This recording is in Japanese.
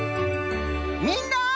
みんな！